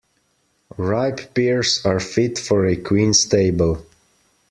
Ripe pears are fit for a queen's table.